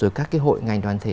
rồi các cái hội ngành đoàn thể